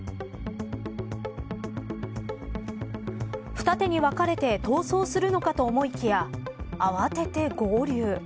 二手に分かれて逃走するのかと思いきや慌てて合流。